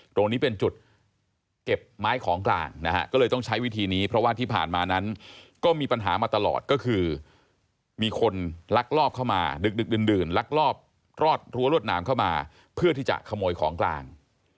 ตรงนี้เป็นจุดเก็บไม้ของกลางนะฮะก็เลยต้องใช้วิธีนี้เพราะว่าที่ผ่านมานั้นก็มีปัญหามาตลอดก็คือมีคนลักลอบเข้ามาดึกดื่นลักลอบรอดรั้วรวดหนามเข้ามาเพื่อที่จะขโมยของกลาง